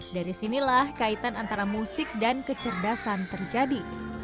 dari sinilah kaitan antara musik dan kecerdasan terjadi